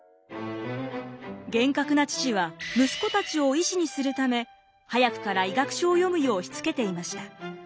厳格な父は息子たちを医師にするため早くから医学書を読むようしつけていました。